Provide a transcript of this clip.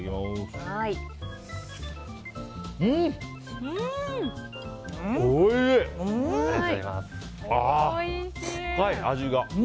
深い、味が。